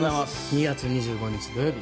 ２月２５日土曜日